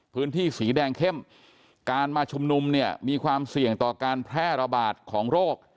พื้นที่สีแดงเข้มการมาชุมนุมเนี่ยมีความเสี่ยงต่อการแพร่ระบาดของโรค